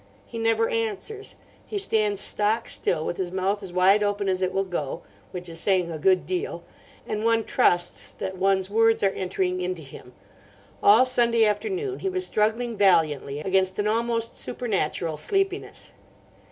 He never answers. He stands stock still, with his mouth as wide open as it will go—which is saying a good deal—and one trusts that one's words are entering into him. All Sunday afternoon he was struggling valiantly against an almost supernatural sleepiness.